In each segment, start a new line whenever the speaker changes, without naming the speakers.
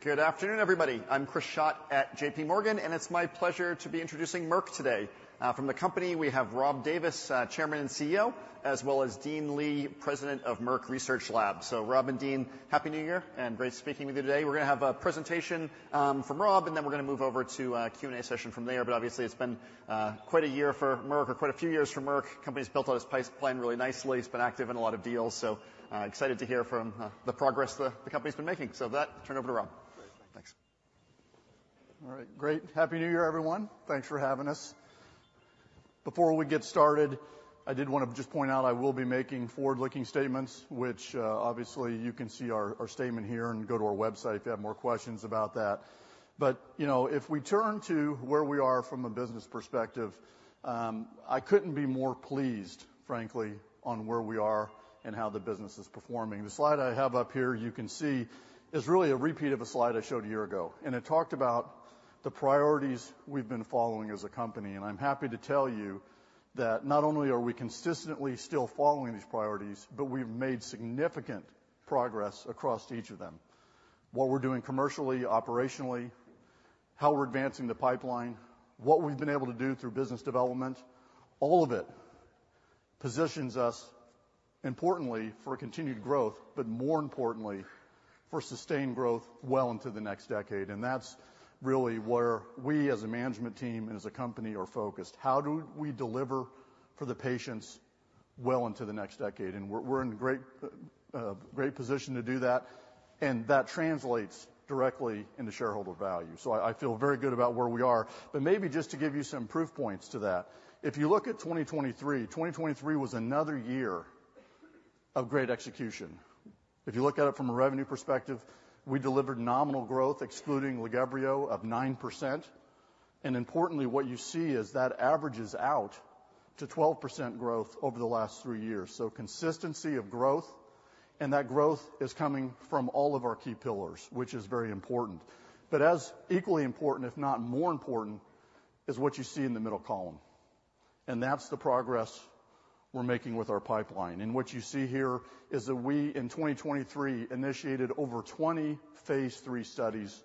Good afternoon, everybody. I'm Chris Schott at JPMorgan, and it's my pleasure to be introducing Merck today. From the company, we have Rob Davis, Chairman and CEO, as well as Dean Li, President of Merck Research Laboratories. So Rob and Dean, Happy New Year, and great speaking with you today. We're gonna have a presentation from Rob, and then we're gonna move over to a Q&A session from there. But obviously, it's been quite a year for Merck, or quite a few years for Merck. Company's built out its pace plan really nicely. It's been active in a lot of deals, so excited to hear from the progress the company's been making. So with that, turn over to Rob.
Great. Thanks. All right. Great. Happy New Year, everyone. Thanks for having us. Before we get started, I did want to just point out I will be making forward-looking statements, which, obviously, you can see our statement here and go to our website if you have more questions about that. You know, if we turn to where we are from a business perspective, I couldn't be more pleased, frankly, on where we are and how the business is performing. The slide I have up here, you can see, is really a repeat of a slide I showed a year ago, and it talked about the priorities we've been following as a company. I'm happy to tell you that not only are we consistently still following these priorities, but we've made significant progress across each of them. What we're doing commercially, operationally, how we're advancing the pipeline, what we've been able to do through business development, all of it positions us, importantly, for continued growth, but more importantly, for sustained growth well into the next decade, and that's really where we, as a management team and as a company, are focused. How do we deliver for the patients well into the next decade? And we're, we're in great, great position to do that, and that translates directly into shareholder value. So I feel very good about where we are, but maybe just to give you some proof points to that. If you look at 2023, 2023 was another year of great execution. If you look at it from a revenue perspective, we delivered nominal growth, excluding LAGEVRIO, of 9%. Importantly, what you see is that averages out to 12% growth over the last three years. So consistency of growth, and that growth is coming from all of our key pillars, which is very important. But as equally important, if not more important, is what you see in the middle column, and that's the progress we're making with our pipeline. What you see here is that we, in 2023, initiated over 20 phase III studies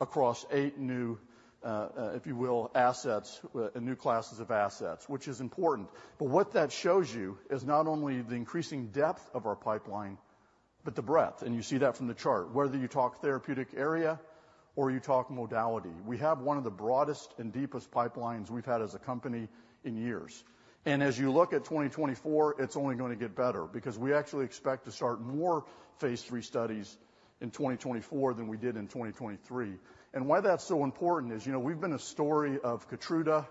across eight new, if you will, assets, and new classes of assets, which is important. But what that shows you is not only the increasing depth of our pipeline but the breadth, and you see that from the chart, whether you talk therapeutic area or you talk modality. We have one of the broadest and deepest pipelines we've had as a company in years. As you look at 2024, it's only going to get better because we actually expect to start more phase III studies in 2024 than we did in 2023. And why that's so important is, you know, we've been a story of KEYTRUDA,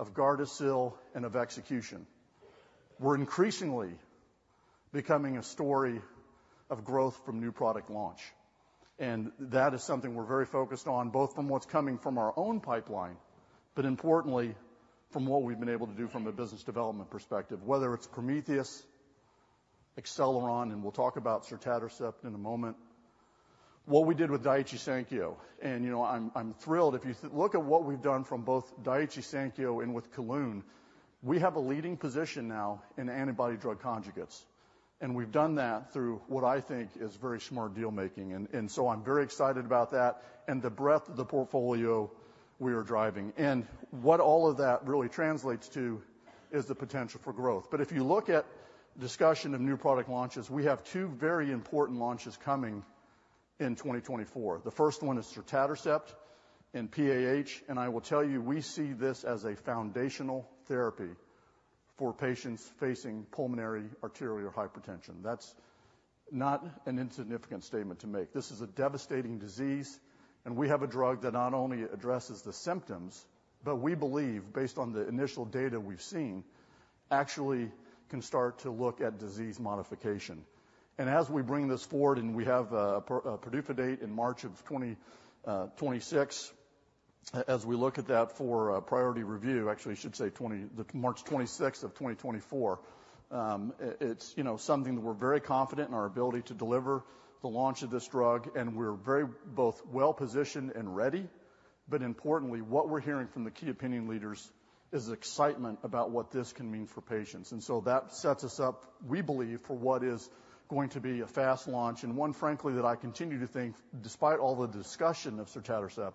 of GARDASIL, and of execution. We're increasingly becoming a story of growth from new product launch, and that is something we're very focused on, both from what's coming from our own pipeline, but importantly, from what we've been able to do from a business development perspective, whether it's Prometheus, Acceleron, and we'll talk about sotatercept in a moment. What we did with Daiichi Sankyo, and, you know, I'm thrilled. If you look at what we've done from both Daiichi Sankyo and with Kelun, we have a leading position now in antibody-drug conjugates, and we've done that through what I think is very smart deal-making. And, and so I'm very excited about that and the breadth of the portfolio we are driving. And what all of that really translates to is the potential for growth. But if you look at discussion of new product launches, we have two very important launches coming in 2024. The first one is sotatercept in PAH, and I will tell you, we see this as a foundational therapy for patients facing pulmonary arterial hypertension. That's not an insignificant statement to make. This is a devastating disease, and we have a drug that not only addresses the symptoms, but we believe, based on the initial data we've seen, actually can start to look at disease modification. And as we bring this forward, and we have a PDUFA date in March of twenty twenty-six, as we look at that for a priority review. Actually, I should say March twenty-sixth of twenty twenty-four. It's, you know, something that we're very confident in our ability to deliver the launch of this drug, and we're very both well-positioned and ready. But importantly, what we're hearing from the key opinion leaders is excitement about what this can mean for patients. And so that sets us up, we believe, for what is going to be a fast launch and one, frankly, that I continue to think, despite all the discussion of sotatercept,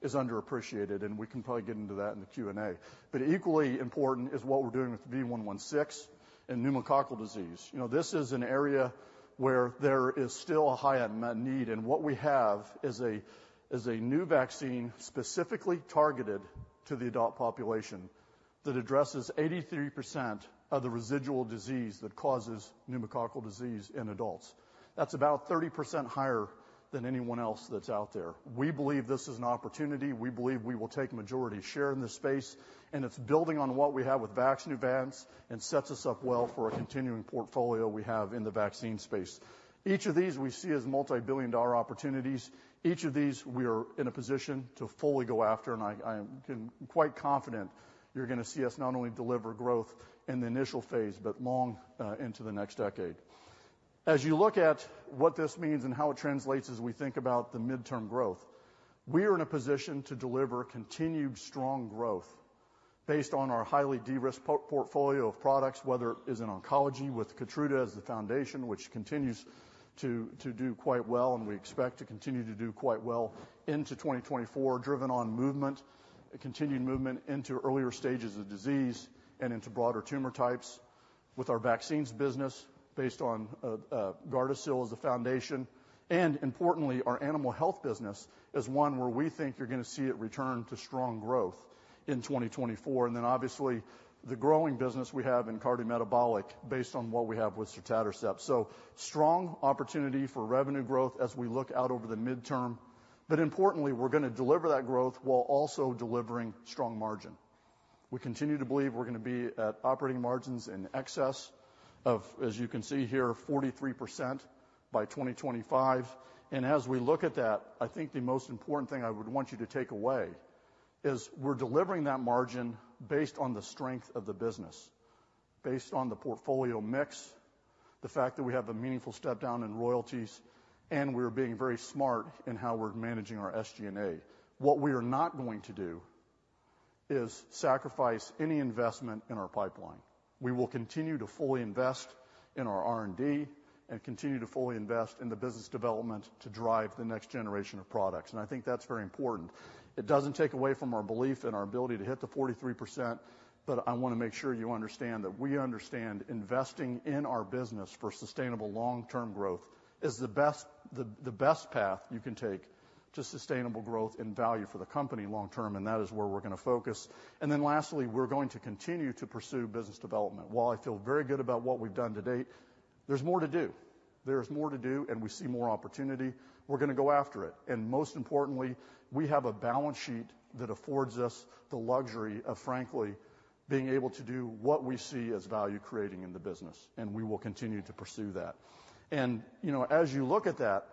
is underappreciated, and we can probably get into that in the Q&A. But equally important is what we're doing with V116 and pneumococcal disease. You know, this is an area where there is still a high unmet need, and what we have is a, is a new vaccine specifically targeted to the adult population that addresses 83% of the residual disease that causes pneumococcal disease in adults. That's about 30% higher than anyone else that's out there. We believe this is an opportunity. We believe we will take a majority share in this space, and it's building on what we have with VAXNEUVANCE and sets us up well for a continuing portfolio we have in the vaccine space. Each of these we see as multi-billion dollar opportunities. Each of these we are in a position to fully go after, and I am quite confident you're gonna see us not only deliver growth in the initial phase, but long into the next decade. As you look at what this means and how it translates as we think about the midterm growth, we are in a position to deliver continued strong growth. Based on our highly de-risked portfolio of products, whether it is in oncology, with KEYTRUDA as the foundation, which continues to do quite well, and we expect to continue to do quite well into 2024, driven on movement, a continued movement into earlier stages of disease and into broader tumor types. With our vaccines business, based on GARDASIL as the foundation, and importantly, our animal health business is one where we think you're going to see it return to strong growth in 2024. And then obviously, the growing business we have in cardiometabolic, based on what we have with sotatercept. So strong opportunity for revenue growth as we look out over the midterm. But importantly, we're going to deliver that growth while also delivering strong margin. We continue to believe we're going to be at operating margins in excess of, as you can see here, 43% by 2025. As we look at that, I think the most important thing I would want you to take away is we're delivering that margin based on the strength of the business, based on the portfolio mix, the fact that we have a meaningful step down in royalties, and we're being very smart in how we're managing our SG&A. What we are not going to do is sacrifice any investment in our pipeline. We will continue to fully invest in our R&D and continue to fully invest in the business development to drive the next generation of products, and I think that's very important. It doesn't take away from our belief and our ability to hit the 43%, but I want to make sure you understand that we understand investing in our business for sustainable long-term growth is the best, the best path you can take to sustainable growth and value for the company long term, and that is where we're going to focus. And then lastly, we're going to continue to pursue business development. While I feel very good about what we've done to date, there's more to do. There's more to do, and we see more opportunity. We're going to go after it. And most importantly, we have a balance sheet that affords us the luxury of, frankly, being able to do what we see as value-creating in the business, and we will continue to pursue that. You know, as you look at that,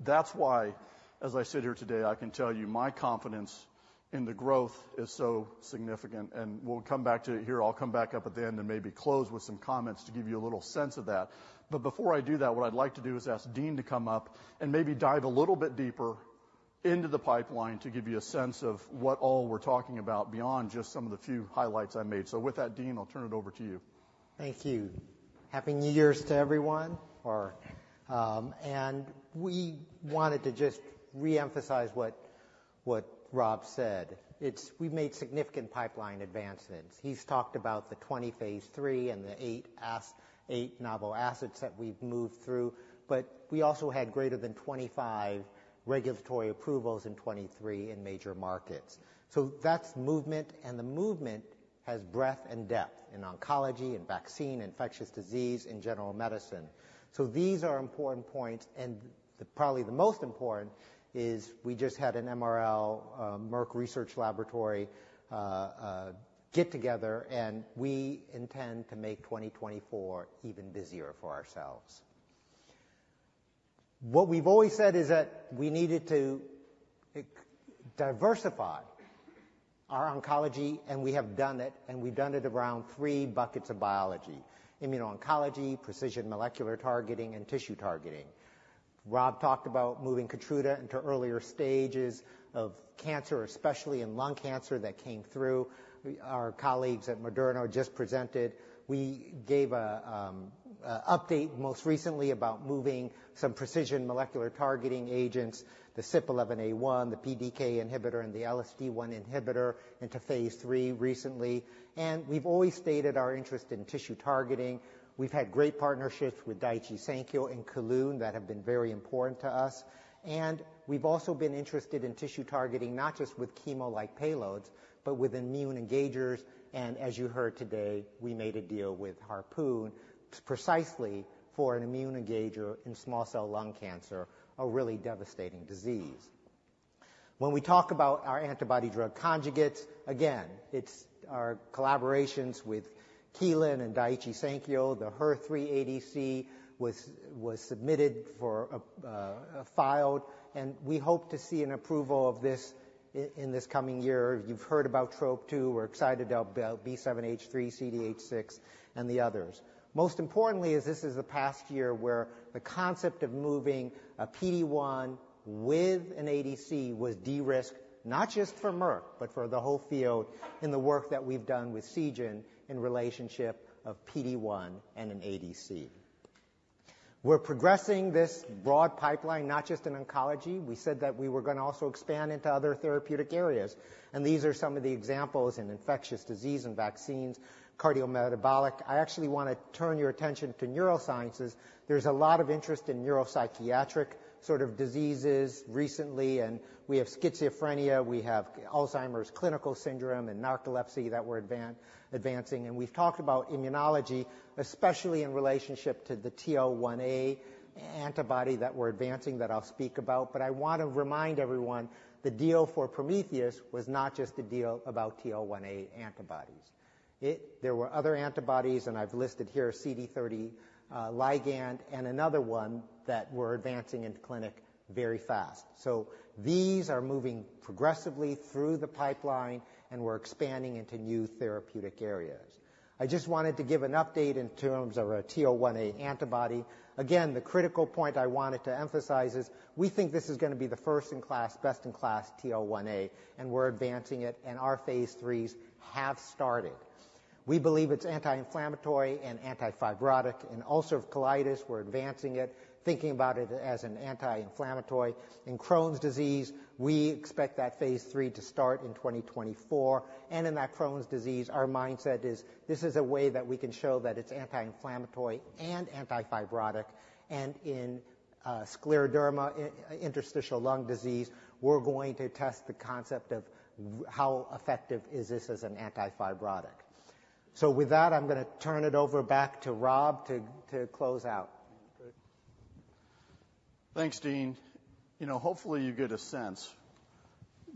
that's why, as I sit here today, I can tell you my confidence in the growth is so significant, and we'll come back to it here. I'll come back up at the end and maybe close with some comments to give you a little sense of that. But before I do that, what I'd like to do is ask Dean to come up and maybe dive a little bit deeper into the pipeline to give you a sense of what all we're talking about beyond just some of the few highlights I made. So with that, Dean, I'll turn it over to you.
Thank you. Happy New Year's to everyone, or. We wanted to just reemphasize what Rob said. It's we've made significant pipeline advancements. He's talked about the 20 phase III and the eight novel assets that we've moved through, but we also had greater than 25 regulatory approvals in 2023 in major markets. So that's movement, and the movement has breadth and depth in oncology, in vaccine, infectious disease, and general medicine. So these are important points, and probably the most important is we just had an MRL, Merck Research Laboratories, get together, and we intend to make 2024 even busier for ourselves. What we've always said is that we needed to diversify our oncology, and we have done it, and we've done it around three buckets of biology: immuno-oncology, precision molecular targeting, and tissue targeting. Rob talked about moving KEYTRUDA into earlier stages of cancer, especially in lung cancer that came through. Our colleagues at Moderna just presented. We gave a update most recently about moving some precision molecular targeting agents, the CYP11A1, the PDK inhibitor, and the LSD1 inhibitor, into phase III recently. We've always stated our interest in tissue targeting. We've had great partnerships with Daiichi Sankyo and Kelun that have been very important to us. We've also been interested in tissue targeting, not just with chemo-like payloads, but with immune engagers, and as you heard today, we made a deal with Harpoon precisely for an immune engager in small cell lung cancer, a really devastating disease. When we talk about our antibody-drug conjugates, again, it's our collaborations with Kelun and Daiichi Sankyo. The HER3 ADC was submitted for filing, and we hope to see an approval of this in this coming year. You've heard about TROP2. We're excited about B7-H3, CDH6, and the others. Most importantly is this is the past year where the concept of moving a PD-1 with an ADC was de-risked, not just for Merck, but for the whole field in the work that we've done with Seagen in relationship of PD-1 and an ADC. We're progressing this broad pipeline, not just in oncology. We said that we were going to also expand into other therapeutic areas, and these are some of the examples in infectious disease and vaccines, cardiometabolic. I actually want to turn your attention to neurosciences. There's a lot of interest in neuropsychiatric sort of diseases recently, and we have schizophrenia, we have Alzheimer's clinical syndrome, and narcolepsy that we're advancing. We've talked about immunology, especially in relationship to the TL1A antibody that we're advancing, that I'll speak about. But I want to remind everyone, the deal for Prometheus was not just a deal about TL1A antibodies. It. There were other antibodies, and I've listed here CD30 ligand and another one that we're advancing into clinic very fast. So these are moving progressively through the pipeline, and we're expanding into new therapeutic areas. I just wanted to give an update in terms of our TL1A antibody. Again, the critical point I wanted to emphasize is we think this is gonna be the first-in-class, best-in-class TL1A, and we're advancing it, and our phase threes have started. We believe it's anti-inflammatory and anti-fibrotic. In ulcerative colitis, we're advancing it, thinking about it as an anti-inflammatory. In Crohn's disease, we expect that phase III to start in 2024, and in that Crohn's disease, our mindset is this is a way that we can show that it's anti-inflammatory and anti-fibrotic. In scleroderma, interstitial lung disease, we're going to test the concept of how effective is this as an anti-fibrotic? So with that, I'm gonna turn it over back to Rob to close out.
Thanks, Dean. You know, hopefully, you get a sense,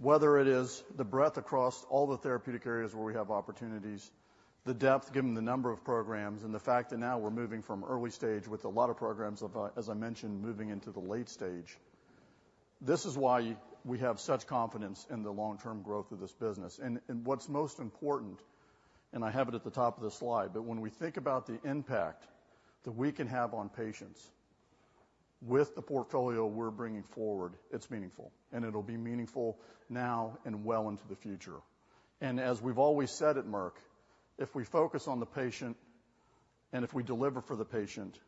whether it is the breadth across all the therapeutic areas where we have opportunities, the depth, given the number of programs, and the fact that now we're moving from early stage with a lot of programs, of, as I mentioned, moving into the late stage. This is why we have such confidence in the long-term growth of this business. And, and what's most important, and I have it at the top of the slide, but when we think about the impact that we can have on patients with the portfolio we're bringing forward, it's meaningful, and it'll be meaningful now and well into the future. And as we've always said at Merck, if we focus on the patient and if we deliver for the patient,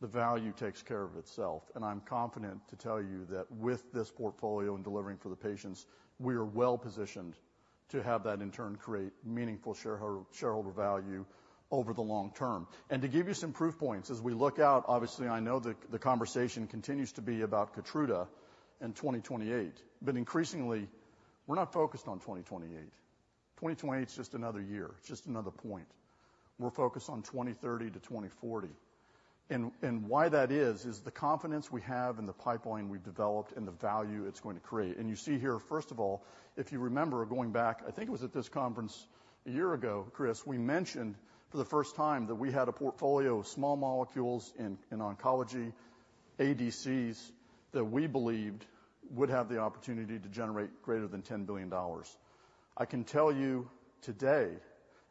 the value takes care of itself. I'm confident to tell you that with this portfolio and delivering for the patients, we are well positioned to have that, in turn, create meaningful shareholder, shareholder value over the long term. To give you some proof points, as we look out, obviously, I know the, the conversation continues to be about KEYTRUDA in 2028, but increasingly, we're not focused on 2028. 2028 is just another year, just another point. We're focused on 2030 to 2040. And why that is, is the confidence we have in the pipeline we've developed and the value it's going to create. You see here, first of all, if you remember going back, I think it was at this conference a year ago, Chris, we mentioned for the first time that we had a portfolio of small molecules in oncology, ADCs, that we believed would have the opportunity to generate greater than $10 billion. I can tell you today,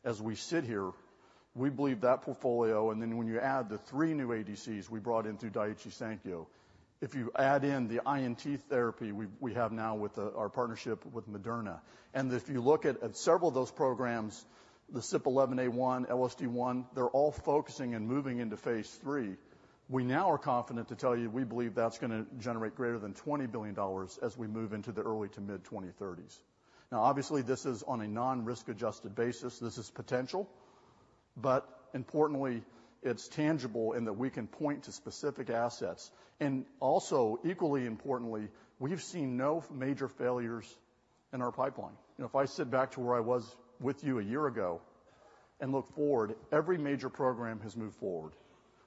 as we sit here, we believe that portfolio, and then when you add the three new ADCs we brought in through Daiichi Sankyo, if you add in the INT therapy we have now with our partnership with Moderna, and if you look at several of those programs, the CYP11A1, LSD1, they're all focusing and moving into phase III. We now are confident to tell you we believe that's gonna generate greater than $20 billion as we move into the early to mid-2030s. Now, obviously, this is on a non-risk-adjusted basis. This is potential, but importantly, it's tangible in that we can point to specific assets. And also, equally importantly, we've seen no major failures in our pipeline. You know, if I sit back to where I was with you a year ago and look forward, every major program has moved forward.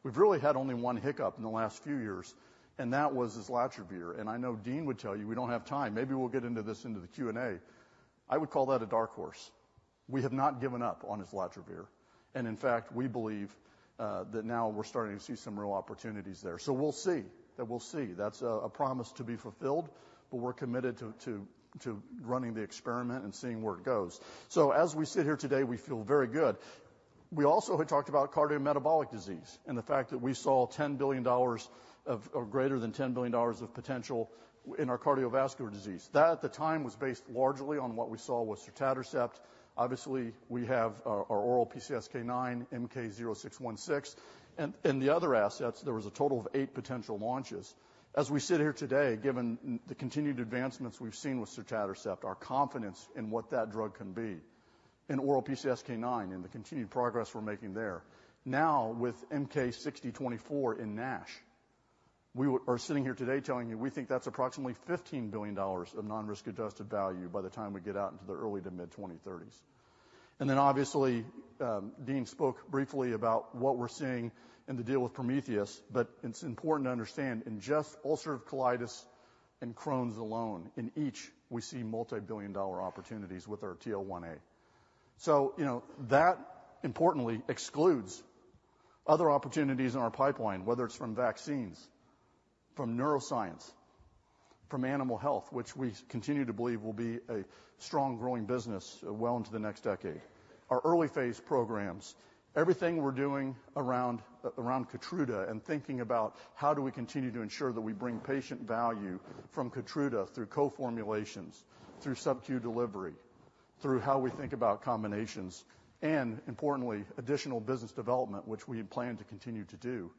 We've really had only one hiccup in the last few years, and that was Islatravir. And I know Dean would tell you, we don't have time. Maybe we'll get into this into the Q&A. I would call that a dark horse. We have not given up on Islatravir, and in fact, we believe that now we're starting to see some real opportunities there. So we'll see. That we'll see. That's a promise to be fulfilled, but we're committed to running the experiment and seeing where it goes. So as we sit here today, we feel very good. We also had talked about cardiometabolic disease and the fact that we saw $10 billion of greater than $10 billion of potential in our cardiovascular disease. That, at the time, was based largely on what we saw with sotatercept. Obviously, we have our oral PCSK9, MK-0616, and the other assets, there was a total of eight potential launches. As we sit here today, given the continued advancements we've seen with sotatercept, our confidence in what that drug can be, in oral PCSK9 and the continued progress we're making there. Now, with MK-6024 in NASH, we are sitting here today telling you we think that's approximately $15 billion of non-risk-adjusted value by the time we get out into the early to mid-2030s. And then, obviously, Dean spoke briefly about what we're seeing in the deal with Prometheus, but it's important to understand, in just ulcerative colitis and Crohn's alone, in each, we see multi-billion dollar opportunities with our TL1A. So, you know, that importantly excludes other opportunities in our pipeline, whether it's from vaccines, from neuroscience, from animal health, which we continue to believe will be a strong, growing business well into the next decade. Our early-phase programs, everything we're doing around KEYTRUDA and thinking about how do we continue to ensure that we bring patient value from KEYTRUDA through co-formulations, through subcu delivery, through how we think about combinations, and importantly, additional business development, which we plan to continue to do.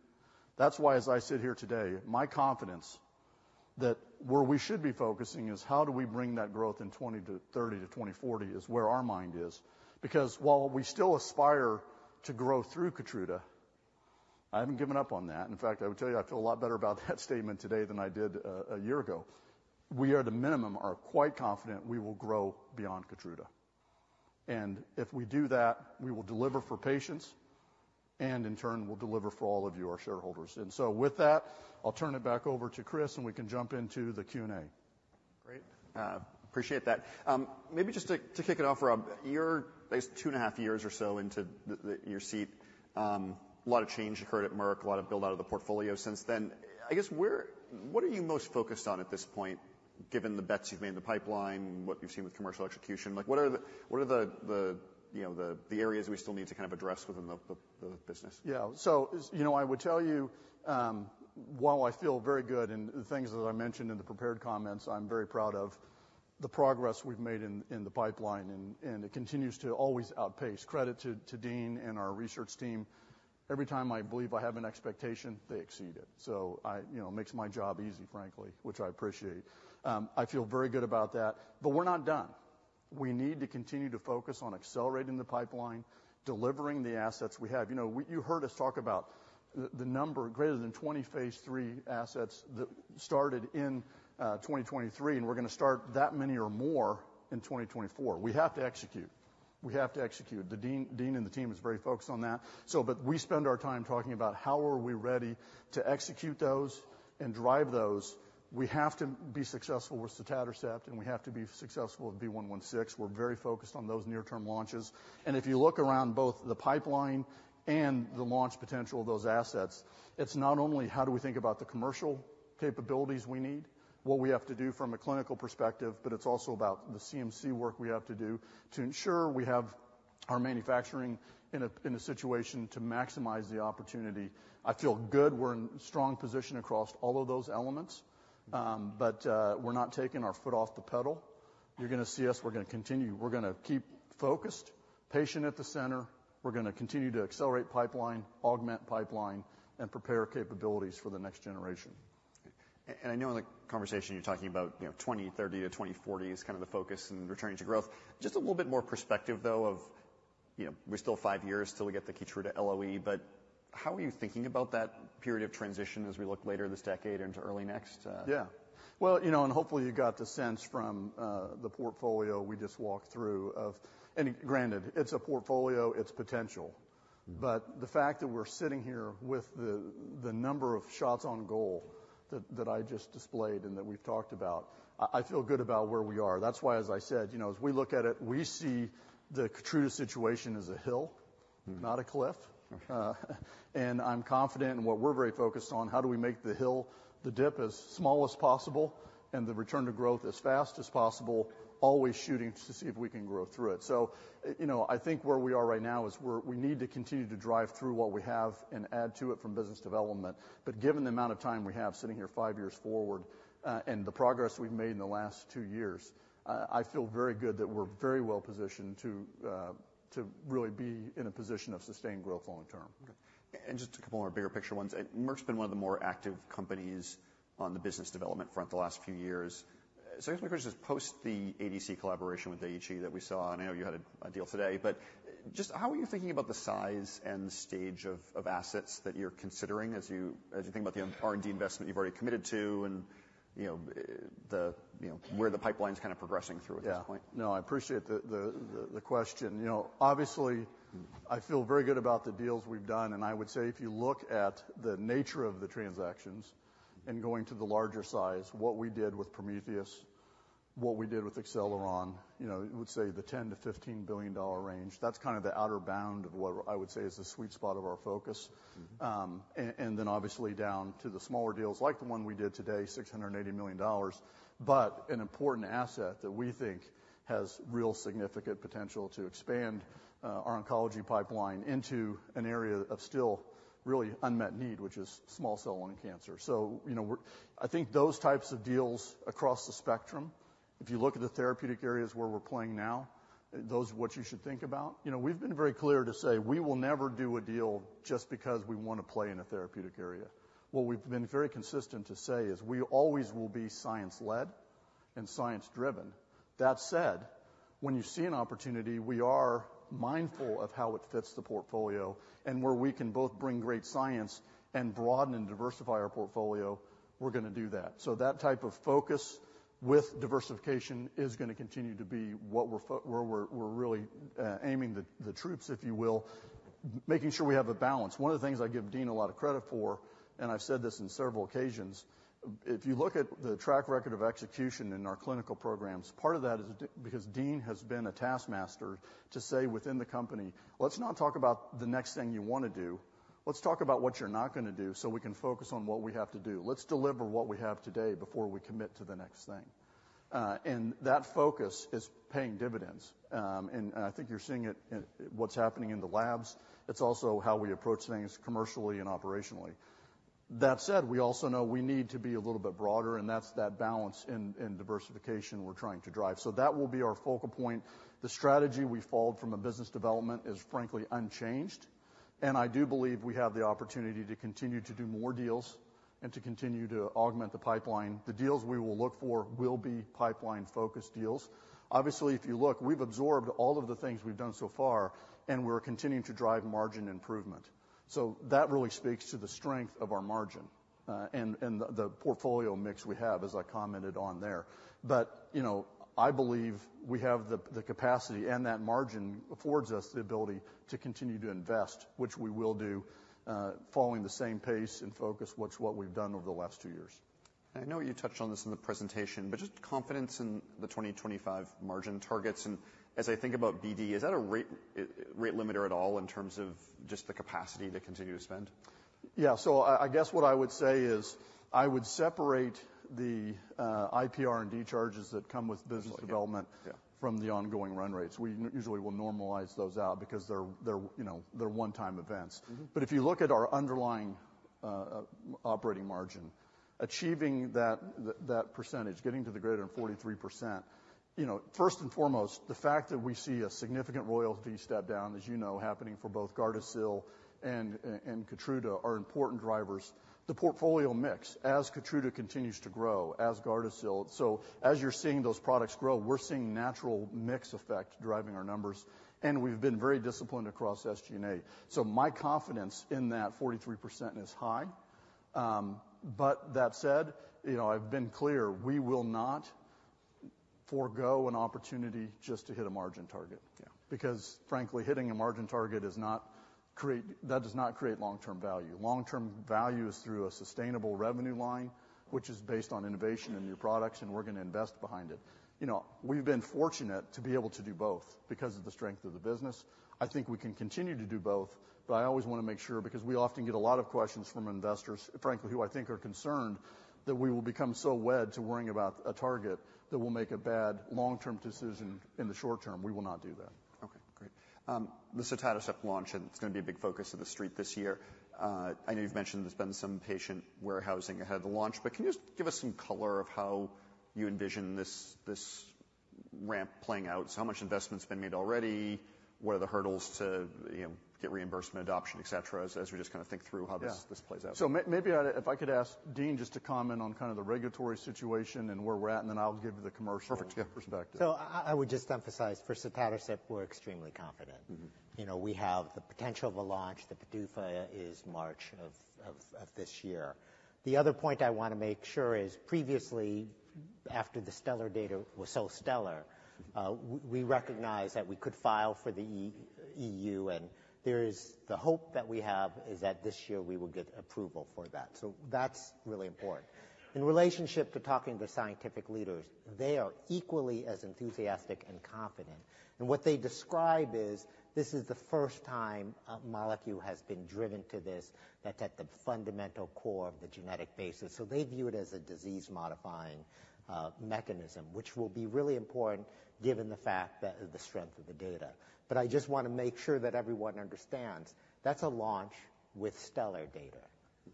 That's why, as I sit here today, my confidence that where we should be focusing is how do we bring that growth in 2030-2040, is where our mind is. Because while we still aspire to grow through KEYTRUDA, I haven't given up on that. In fact, I would tell you I feel a lot better about that statement today than I did a year ago. We, at the minimum, are quite confident we will grow beyond KEYTRUDA. And if we do that, we will deliver for patients, and in turn, we'll deliver for all of you, our shareholders. And so with that, I'll turn it back over to Chris, and we can jump into the Q&A.
Great, appreciate that. Maybe just to kick it off, Rob, you're 2.5 years or so into your seat. A lot of change occurred at Merck, a lot of build-out of the portfolio since then. I guess, where-what are you most focused on at this point given the bets you've made in the pipeline, what you've seen with commercial execution, like, what are the, you know, the areas we still need to kind of address within the business?
Yeah. So, you know, I would tell you, while I feel very good in the things that I mentioned in the prepared comments, I'm very proud of the progress we've made in, in the pipeline, and, and it continues to always outpace. Credit to, to Dean and our research team. Every time I believe I have an expectation, they exceed it. So I-- you know, it makes my job easy, frankly, which I appreciate. I feel very good about that, but we're not done. We need to continue to focus on accelerating the pipeline, delivering the assets we have. You know, we-- you heard us talk about the, the number greater than 20 phase III assets that started in, 2023, and we're gonna start that many or more in 2024. We have to execute. We have to execute. Dean Li and the team is very focused on that. So but we spend our time talking about how are we ready to execute those and drive those. We have to be successful with sotatercept, and we have to be successful with V116. We're very focused on those near-term launches. And if you look around both the pipeline and the launch potential of those assets, it's not only how do we think about the commercial capabilities we need, what we have to do from a clinical perspective, but it's also about the CMC work we have to do to ensure we have our manufacturing in a situation to maximize the opportunity. I feel good we're in strong position across all of those elements, but we're not taking our foot off the pedal. You're gonna see us. We're gonna continue. We're gonna keep focused, patient at the center. We're gonna continue to accelerate pipeline, augment pipeline, and prepare capabilities for the next generation.
And I know in the conversation you're talking about, you know, 2030-2040 is kind of the focus and returning to growth. Just a little bit more perspective, though, of, you know, we're still five years till we get the KEYTRUDA LOE, but how are you thinking about that period of transition as we look later this decade into early next?
Yeah. Well, you know, and hopefully, you got the sense from the portfolio we just walked through of... And granted, it's a portfolio, it's potential, but the fact that we're sitting here with the number of shots on goal that I just displayed and that we've talked about, I feel good about where we are. That's why, as I said, you know, as we look at it, we see the KEYTRUDA situation as a hill-
Mm-hmm.
Not a cliff. And I'm confident, and what we're very focused on, how do we make the hill, the dip, as small as possible and the return to growth as fast as possible, always shooting to see if we can grow through it. So, you know, I think where we are right now is we're, we need to continue to drive through what we have and add to it from business development, but given the amount of time we have sitting here, five years forward, and the progress we've made in the last two years, I feel very good that we're very well positioned to really be in a position of sustained growth long term.
Okay. And just a couple more bigger picture ones. Merck's been one of the more active companies on the business development front the last few years. So I guess my question is, post the ADC collaboration with Daiichi that we saw, and I know you had a deal today, but just how are you thinking about the size and the stage of assets that you're considering as you think about the R&D investment you've already committed to and, you know, the, you know, where the pipeline's kind of progressing through at this point?
Yeah. No, I appreciate the question. You know, obviously, I feel very good about the deals we've done, and I would say, if you look at the nature of the transactions and going to the larger size, what we did with Prometheus, what we did with Acceleron, you know, I would say the $10 billion-$15 billion range, that's kind of the outer bound of what I would say is the sweet spot of our focus.
Mm-hmm.
And then obviously, down to the smaller deals, like the one we did today, $680 million, but an important asset that we think has real significant potential to expand our oncology pipeline into an area of still really unmet need, which is small cell lung cancer. So, you know, we're. I think those types of deals across the spectrum, if you look at the therapeutic areas where we're playing now, those are what you should think about. You know, we've been very clear to say, we will never do a deal just because we want to play in a therapeutic area. What we've been very consistent to say is, we always will be science-led and science-driven. That said, when you see an opportunity, we are mindful of how it fits the portfolio and where we can both bring great science and broaden and diversify our portfolio, we're gonna do that. So that type of focus with diversification is gonna continue to be what we're where we're really aiming the troops, if you will, making sure we have a balance. One of the things I give Dean a lot of credit for, and I've said this in several occasions, if you look at the track record of execution in our clinical programs, part of that is because Dean has been a taskmaster to say, within the company: "Let's not talk about the next thing you want to do. Let's talk about what you're not gonna do, so we can focus on what we have to do. Let's deliver what we have today before we commit to the next thing." And that focus is paying dividends, and I think you're seeing it in what's happening in the labs. It's also how we approach things commercially and operationally. That said, we also know we need to be a little bit broader, and that's that balance in, in diversification we're trying to drive. So that will be our focal point. The strategy we followed from a business development is, frankly, unchanged, and I do believe we have the opportunity to continue to do more deals and to continue to augment the pipeline. The deals we will look for will be pipeline-focused deals. Obviously, if you look, we've absorbed all of the things we've done so far, and we're continuing to drive margin improvement. So that really speaks to the strength of our margin and the portfolio mix we have, as I commented on there. But, you know, I believe we have the capacity, and that margin affords us the ability to continue to invest, which we will do, following the same pace and focus, which what we've done over the last two years.
I know you touched on this in the presentation, but just confidence in the 2025 margin targets, and as I think about BD, is that a rate, rate limiter at all in terms of just the capacity to continue to spend?
Yeah, so I, I guess what I would say is, I would separate the, IP R&D charges that come with business development-
Yeah.
from the ongoing run rates. We usually will normalize those out because they're, you know, they're one-time events.
Mm-hmm.
But if you look at our underlying operating margin, achieving that, that percentage, getting to the greater than 43%, you know, first and foremost, the fact that we see a significant royalty step down, as you know, happening for both GARDASIL and KEYTRUDA, are important drivers. The portfolio mix, as KEYTRUDA continues to grow, as GARDASIL. So as you're seeing those products grow, we're seeing natural mix effect driving our numbers, and we've been very disciplined across SG&A. So my confidence in that 43% is high. But that said, you know, I've been clear, we will not forgo an opportunity just to hit a margin target.
Yeah.
Because frankly, hitting a margin target does not create long-term value. Long-term value is through a sustainable revenue line, which is based on innovation and new products, and we're going to invest behind it. You know, we've been fortunate to be able to do both because of the strength of the business. I think we can continue to do both, but I always want to make sure, because we often get a lot of questions from investors, frankly, who I think are concerned that we will become so wed to worrying about a target that we'll make a bad long-term decision in the short term. We will not do that.
Okay, great. The sotatercept launch, and it's going to be a big focus of the street this year. I know you've mentioned there's been some patient warehousing ahead of the launch, but can you just give us some color of how you envision this, this ramp playing out? So how much investment's been made already? What are the hurdles to, you know, get reimbursement, adoption, et cetera, as, as we just kind of think through how this-
Yeah.
-this plays out?
So maybe I'd. If I could ask Dean just to comment on kind of the regulatory situation and where we're at, and then I'll give you the commercial-
Perfect.
-perspective.
So I would just emphasize for sotatercept, we're extremely confident.
Mm-hmm.
You know, we have the potential of a launch. The PDUFA is March of this year. The other point I want to make sure is previously, after the stellar data was so stellar, we recognized that we could file for the EU, and there is the hope that we have, is that this year we will get approval for that. So that's really important. In relationship to talking to scientific leaders, they are equally as enthusiastic and confident, and what they describe is this is the first time a molecule has been driven to this, that's at the fundamental core of the genetic basis. So they view it as a disease-modifying mechanism, which will be really important given the fact that the strength of the data. But I just want to make sure that everyone understands, that's a launch with stellar data.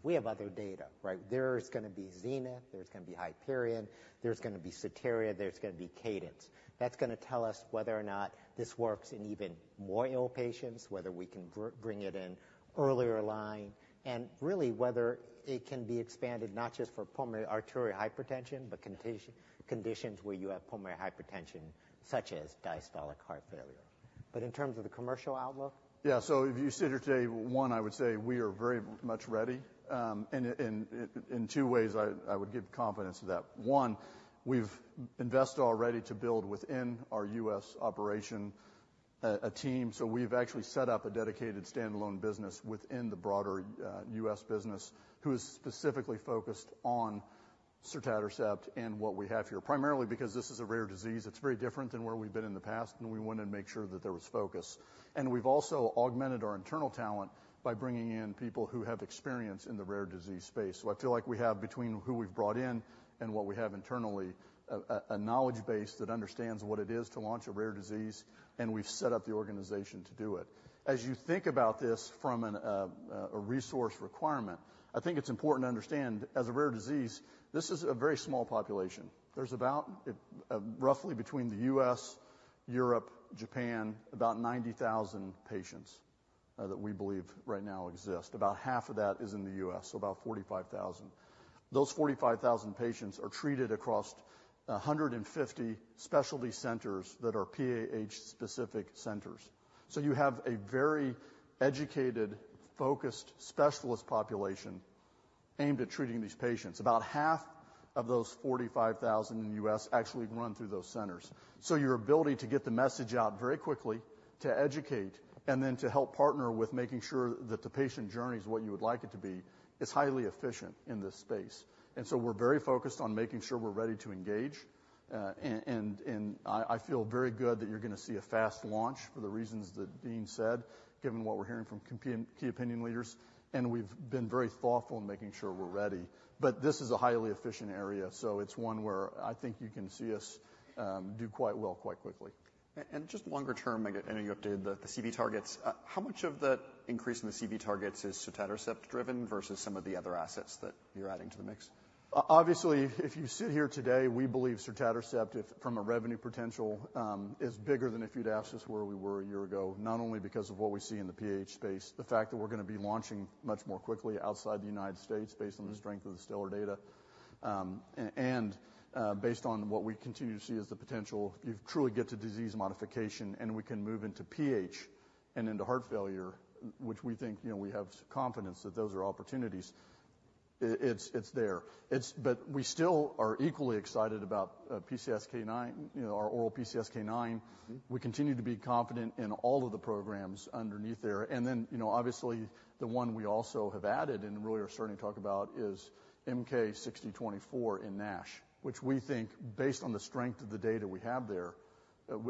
We have other data, right? There's going to be ZENITH, there's going to be HYPERION, there's going to be SOTERIA, there's going to be CADENCE. That's going to tell us whether or not this works in even more ill patients, whether we can bring it in earlier line, and really, whether it can be expanded not just for pulmonary arterial hypertension, but conditions where you have pulmonary hypertension, such as diastolic heart failure. But in terms of the commercial outlook?
Yeah. So if you sit here today, one, I would say we are very much ready, and in two ways, I would give confidence to that. One, we've invested already to build within our U.S. operation, a team. So we've actually set up a dedicated standalone business within the broader U.S. business, who is specifically focused on sotatercept and what we have here. Primarily because this is a rare disease, it's very different than where we've been in the past, and we wanted to make sure that there was focus. And we've also augmented our internal talent by bringing in people who have experience in the rare disease space. So I feel like we have, between who we've brought in and what we have internally, a knowledge base that understands what it is to launch a rare disease, and we've set up the organization to do it. As you think about this from a resource requirement, I think it's important to understand, as a rare disease, this is a very small population. There's about, roughly between the U.S., Europe, Japan, about 90,000 patients, that we believe right now exist. About half of that is in the U.S., so about 45,000. Those 45,000 patients are treated across 150 specialty centers that are PAH-specific centers. So you have a very educated, focused specialist population aimed at treating these patients. About half of those 45,000 in the U.S. actually run through those centers. So your ability to get the message out very quickly, to educate, and then to help partner with making sure that the patient journey is what you would like it to be, is highly efficient in this space. And so we're very focused on making sure we're ready to engage, and I feel very good that you're going to see a fast launch for the reasons that Dean said, given what we're hearing from key opinion leaders, and we've been very thoughtful in making sure we're ready. But this is a highly efficient area, so it's one where I think you can see us do quite well, quite quickly.
Just longer term, I know you updated the CV targets. How much of the increase in the CV targets is sotatercept driven versus some of the other assets that you're adding to the mix?
Obviously, if you sit here today, we believe sotatercept, if from a revenue potential, is bigger than if you'd asked us where we were a year ago. Not only because of what we see in the PAH space, the fact that we're going to be launching much more quickly outside the United States based on the strength of the stellar data, and based on what we continue to see as the potential. You truly get to disease modification, and we can move into PH and into heart failure, which we think, you know, we have confidence that those are opportunities. It's there. It's, but we still are equally excited about PCSK9, you know, our oral PCSK9. We continue to be confident in all of the programs underneath there. And then, you know, obviously, the one we also have added and really are starting to talk about is MK-6024 in NASH, which we think, based on the strength of the data we have there.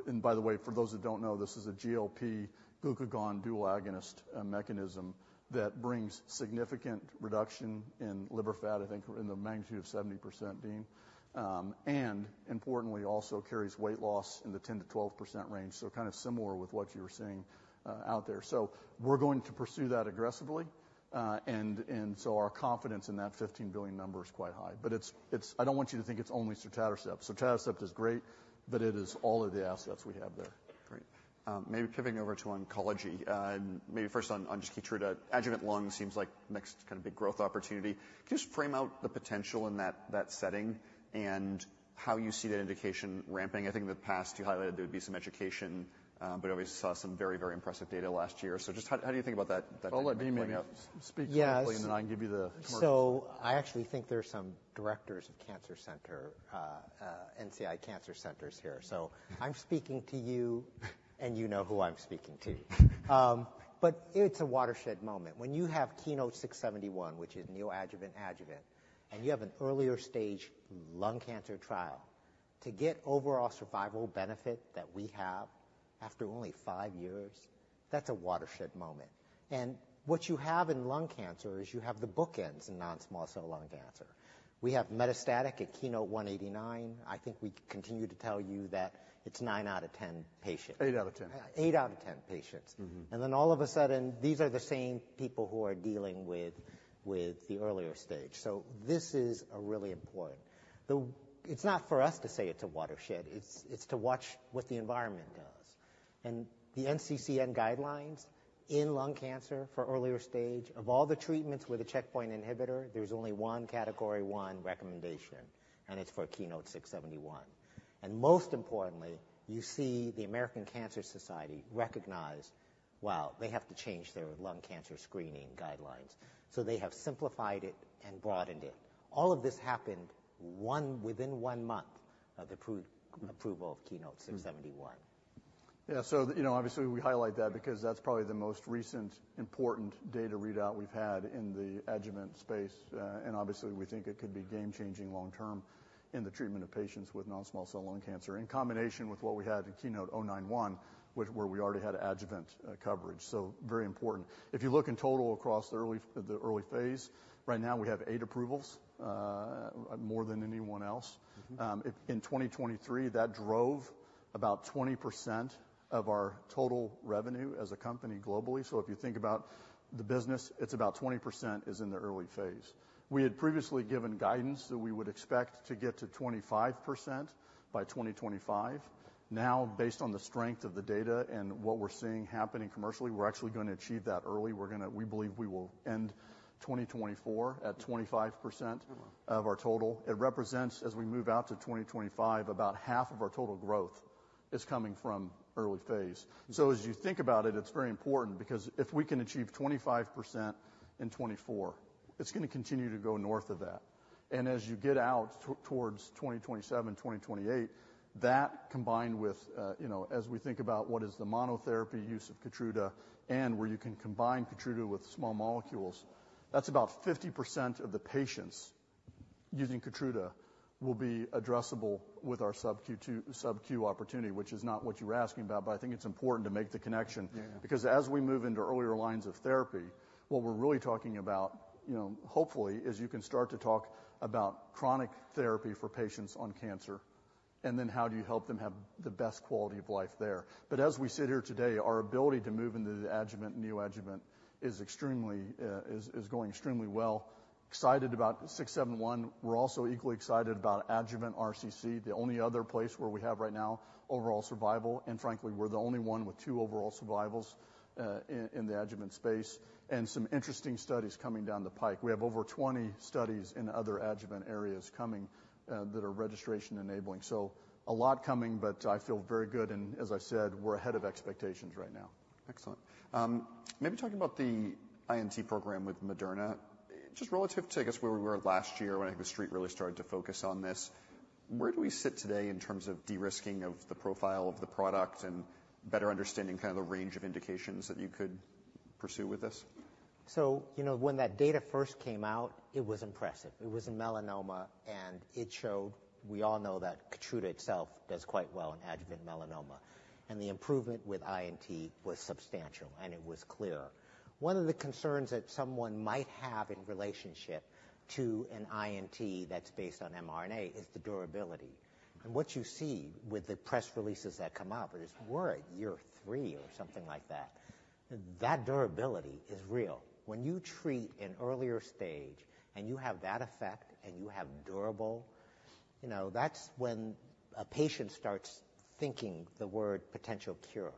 And by the way, for those that don't know, this is a GLP glucagon dual agonist mechanism that brings significant reduction in liver fat, I think, in the magnitude of 70%, Dean. And importantly, also carries weight loss in the 10%-12% range, so kind of similar with what you're seeing out there. So we're going to pursue that aggressively. And so our confidence in that $15 billion number is quite high. But it's. I don't want you to think it's only sotatercept. Sotatercept is great, but it is all of the assets we have there.
Great. Maybe pivoting over to oncology, and maybe first on, on just KEYTRUDA. Adjuvant lung seems like next kind of big growth opportunity. Can you just frame out the potential in that, that setting and how you see that indication ramping? I think in the past, you highlighted there would be some education, but obviously saw some very, very impressive data last year. So just how, how do you think about that, that-
I'll let Dean speak-
Yes.
And then I can give you the commercial.
I actually think there are some directors of Cancer Center, NCI cancer centers here. I'm speaking to you, and you know who I'm speaking to. But it's a watershed moment. When you have KEYNOTE-671, which is neoadjuvant adjuvant, and you have an earlier stage lung cancer trial, to get overall survival benefit that we have after only five years, that's a watershed moment. What you have in lung cancer is you have the bookends in non-small cell lung cancer. We have metastatic at KEYNOTE-189. I think we continue to tell you that it's nine out of 10 patients.
Eight out of 10.
Eight out of 10 patients.
Mm-hmm.
And then all of a sudden, these are the same people who are dealing with the earlier stage. So this is really important. It's not for us to say it's a watershed, it's to watch what the environment does. And the NCCN guidelines in lung cancer for earlier stage, of all the treatments with a checkpoint inhibitor, there's only one category one recommendation, and it's for KEYNOTE-671. And most importantly, you see the American Cancer Society recognize, wow, they have to change their lung cancer screening guidelines. So they have simplified it and broadened it. All of this happened within one month of the approval of KEYNOTE-671.
Yeah, so, you know, obviously, we highlight that because that's probably the most recent important data readout we've had in the adjuvant space. And obviously, we think it could be game-changing long term in the treatment of patients with non-small cell lung cancer, in combination with what we had in KEYNOTE-091, which where we already had adjuvant coverage. So very important. If you look in total across the early, the early phase, right now we have eight approvals, more than anyone else.
Mm-hmm.
In 2023, that drove about 20% of our total revenue as a company globally. So if you think about the business, it's about 20% is in the early phase. We had previously given guidance that we would expect to get to 25% by 2025. Now, based on the strength of the data and what we're seeing happening commercially, we're actually going to achieve that early. We're gonna-- we believe we will end 2024 at 25% of our total. It represents, as we move out to 2025, about half of our total growth is coming from early phase. So as you think about it, it's very important because if we can achieve 25% in 2024, it's gonna continue to go north of that. As you get towards 2027, 2028, that combined with, you know, as we think about what is the monotherapy use of KEYTRUDA and where you can combine KEYTRUDA with small molecules, that's about 50% of the patients using KEYTRUDA will be addressable with our subcu too subcu opportunity, which is not what you were asking about, but I think it's important to make the connection.
Yeah.
Because as we move into earlier lines of therapy, what we're really talking about, you know, hopefully, is you can start to talk about chronic therapy for patients on cancer, and then how do you help them have the best quality of life there? But as we sit here today, our ability to move into the adjuvant, neoadjuvant is extremely, is, is going extremely well. Excited about 671. We're also equally excited about adjuvant RCC, the only other place where we have right now overall survival, and frankly, we're the only one with two overall survivals, in, in the adjuvant space, and some interesting studies coming down the pipe. We have over 20 studies in other adjuvant areas coming, that are registration-enabling. So a lot coming, but I feel very good, and as I said, we're ahead of expectations right now.
Excellent. Maybe talking about the INT program with Moderna. Just relative to, I guess, where we were last year, when I think the Street really started to focus on this, where do we sit today in terms of de-risking of the profile of the product and better understanding kind of the range of indications that you could pursue with this?
So, you know, when that data first came out, it was impressive. It was in melanoma, and it showed... We all know that KEYTRUDA itself does quite well in adjuvant melanoma, and the improvement with INT was substantial, and it was clear. One of the concerns that someone might have in relationship to an INT that's based on mRNA is the durability. And what you see with the press releases that come out, but it's we're at year three or something like that, that durability is real. When you treat an earlier stage, and you have that effect, and you have durable, you know, that's when a patient starts thinking-... thinking the word potential cure.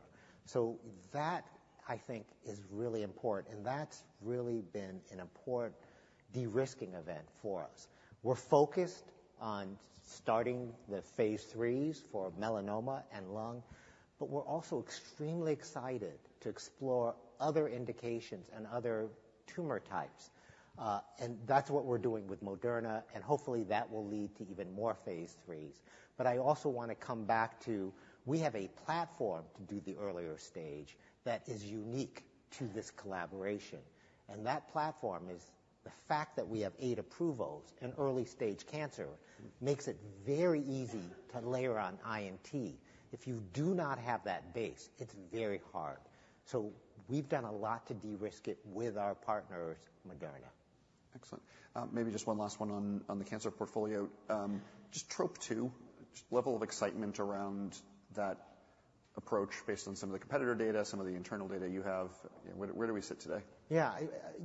So that, I think, is really important, and that's really been an important de-risking event for us. We're focused on starting the phase IIIs for melanoma and lung, but we're also extremely excited to explore other indications and other tumor types. And that's what we're doing with Moderna, and hopefully, that will lead to even more phase IIIs. But I also want to come back to, we have a platform to do the earlier stage that is unique to this collaboration, and that platform is the fact that we have eight approvals in early-stage cancer, makes it very easy to layer on INT. If you do not have that base, it's very hard. So we've done a lot to de-risk it with our partners, Moderna.
Excellent. Maybe just one last one on the cancer portfolio. Just TROP2, just level of excitement around that approach based on some of the competitor data, some of the internal data you have. Where do we sit today?
Yeah.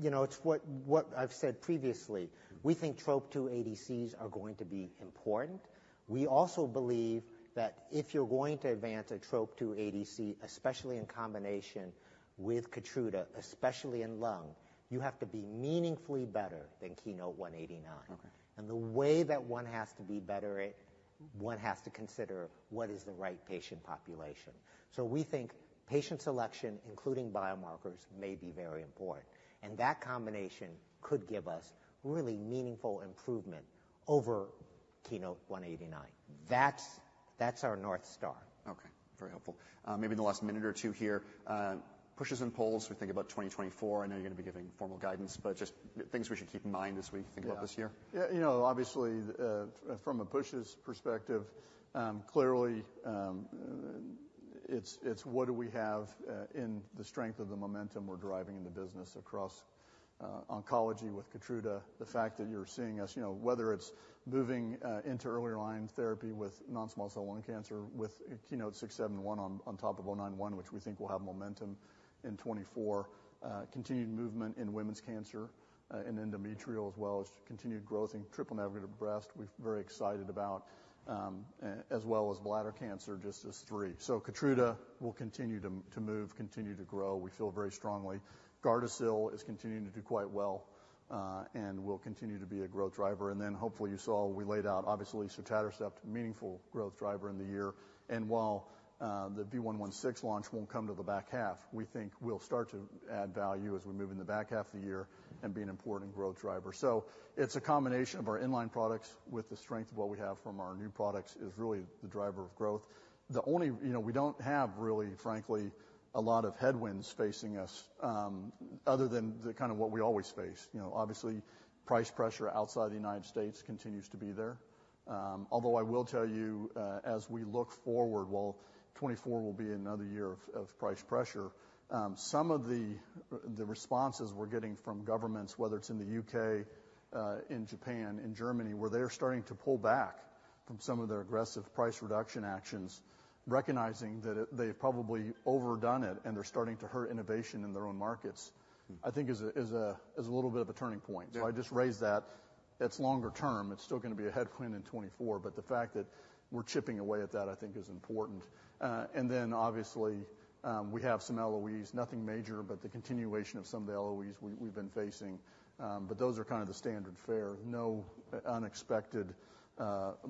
You know, it's what I've said previously. We think TROP2 ADCs are going to be important. We also believe that if you're going to advance a TROP2 ADC, especially in combination with KEYTRUDA, especially in lung, you have to be meaningfully better than KEYNOTE-189.
Okay.
And the way that one has to be better, one has to consider what is the right patient population. So we think patient selection, including biomarkers, may be very important, and that combination could give us really meaningful improvement over KEYNOTE-189. That's, that's our North Star.
Okay, very helpful. Maybe in the last minute or two here, pushes and pulls, we think about 2024. I know you're going to be giving formal guidance, but just things we should keep in mind as we think about this year.
Yeah. You know, obviously, from a business perspective, clearly, it's, it's what do we have, in the strength of the momentum we're driving in the business across, oncology with KEYTRUDA. The fact that you're seeing us, you know, whether it's moving, into earlier line therapy with non-small cell lung cancer, with KEYNOTE-671 on, on top of KEYNOTE-091, which we think will have momentum in 2024. Continued movement in women's cancer, and endometrial, as well as continued growth in triple-negative breast. We're very excited about, as well as bladder cancer, just as three. So KEYTRUDA will continue to, to move, continue to grow. We feel very strongly. GARDASIL is continuing to do quite well, and will continue to be a growth driver. And then hopefully, you saw we laid out obviously, sotatercept, meaningful growth driver in the year. And while the V116 launch won't come to the back half, we think we'll start to add value as we move in the back half of the year and be an important growth driver. So it's a combination of our in-line products with the strength of what we have from our new products, is really the driver of growth. The only. You know, we don't have really, frankly, a lot of headwinds facing us, other than the kind of what we always face. You know, obviously, price pressure outside the United States continues to be there. Although I will tell you, as we look forward, while 2024 will be another year of price pressure, some of the responses we're getting from governments, whether it's in the U.K., in Japan, in Germany, where they're starting to pull back from some of their aggressive price reduction actions, recognizing that they've probably overdone it, and they're starting to hurt innovation in their own markets, I think is a little bit of a turning point.
Yeah.
So I just raised that. It's longer term, it's still going to be a headwind in 2024, but the fact that we're chipping away at that, I think is important. And then obviously, we have some LOEs, nothing major, but the continuation of some of the LOEs we, we've been facing, but those are kind of the standard fare. No unexpected,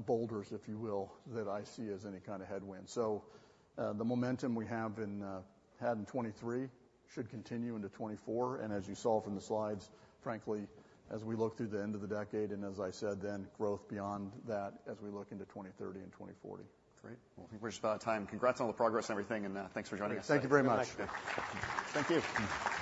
boulders, if you will, that I see as any kind of headwind. So, the momentum we have in, had in 2023 should continue into 2024, and as you saw from the slides, frankly, as we look through the end of the decade, and as I said, then, growth beyond that as we look into 2030 and 2040.
Great. Well, I think we're just about out of time. Congrats on all the progress and everything, and thanks for joining us.
Thank you very much.
Thank you.